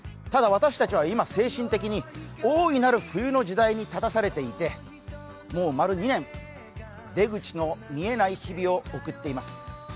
ただ、私たちは今、精神的に大いなる冬の時代に立たされていてもう丸２年、出口の見えない日々を送っています。